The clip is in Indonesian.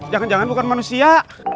jangan jangan bukan manusia